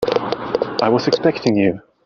I was expecting you.